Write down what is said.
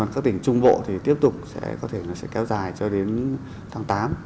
các tỉnh trung bộ thì tiếp tục sẽ có thể sẽ kéo dài cho đến tháng tám